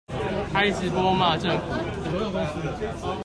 開直播罵政府